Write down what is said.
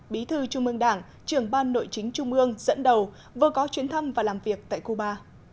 bí thư trung ương đảng trưởng ban nội chính trung ương dẫn đầu vừa có chuyến thăm và làm việc tại cuba